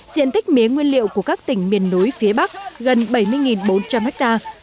diện tích mía nguyên liệu của các tỉnh miền núi phía bắc gần bảy mươi bốn trăm linh ha